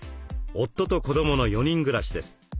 夫と子どもの４人暮らしです。